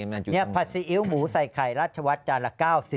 ผัดซีอิ๊วหมูใส่ไข่รัชวัฒจานละ๙๐